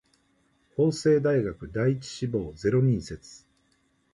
法政大学第一志望ゼロ人説